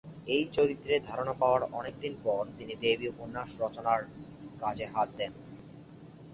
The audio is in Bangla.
এই চরিত্রের ধারণা পাওয়ার অনেকদিন পর তিনি "দেবী" উপন্যাস রচনার কাজে হাত দেন।